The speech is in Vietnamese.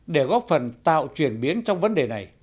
để góp phần tạo chuyển biến trong vấn đề này